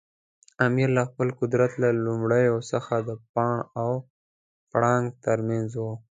امیر له خپل قدرت له لومړیو څخه د پاڼ او پړانګ ترمنځ و.